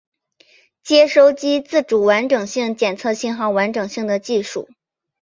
接收机自主完整性监测信号完整性的技术。